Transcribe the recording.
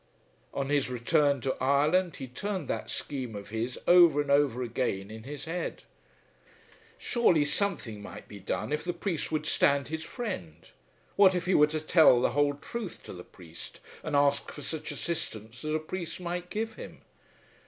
On his return to Ireland he turned that scheme of his over and over again in his head. Surely something might be done if the priest would stand his friend! What if he were to tell the whole truth to the priest, and ask for such assistance as a priest might give him?